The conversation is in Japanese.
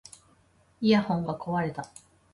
イヤホンが壊れた